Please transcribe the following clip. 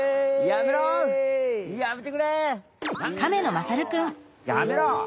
やめろ！